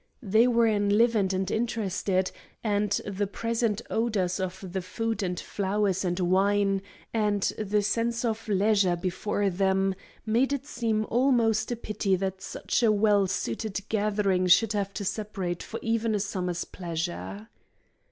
They were enlivened and interested, and the present odors of the food and flowers and wine, and the sense of leisure before them, made it seem almost a pity that such a well suited gathering should have to separate for even a summer's pleasure.